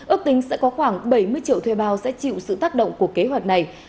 ước tính sẽ có khoảng bảy mươi triệu thuê bao sẽ chịu sự tác động của kế hoạch này